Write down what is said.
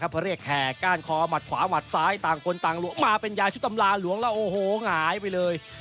เป็นยายชุตำราหลวงแล้วโอ้โหหลายไปเลย